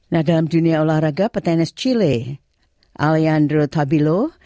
nah dalam dunia olahraga petainis chile alejandro tabilo